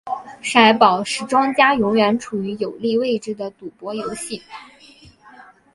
骰宝是庄家永远处于有利位置的赌博游戏。